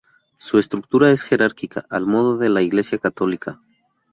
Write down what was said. Su estructura es jerárquica, al modo de la Iglesia católica.